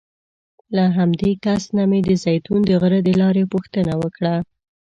له همدې کس نه مې د زیتون د غره د لارې پوښتنه وکړه.